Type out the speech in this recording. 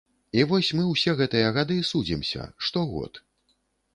І вось мы ўсе гэтыя гады судзімся, штогод.